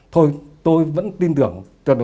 thôi tôi vẫn tin tưởng